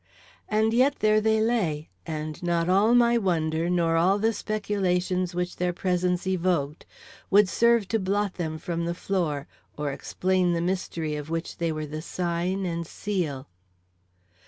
And yet, there they lay; and not all my wonder, nor all the speculations which their presence evoked, would serve to blot them from the floor or explain the mystery of which they were the sign and seal.